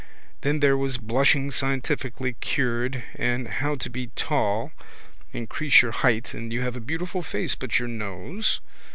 Then there was blushing scientifically cured and how to be tall increase your height and you have a beautiful face but your nose?